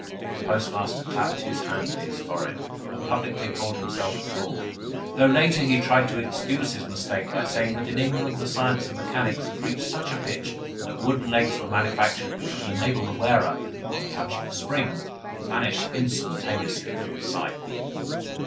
The Postmaster clapped his hand to his forehead, and publicly called himself a fool, though, later, he tried to excuse his mistake by saying that in England the science of mechanics had reached such a pitch that wooden legs were manufactured which would enable the wearer, on touching a spring, to vanish instantaneously from sight.